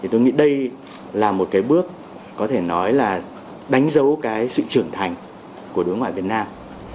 tôi nghĩ đây là một bước đánh dấu sự trưởng thành của đối ngoại việt nam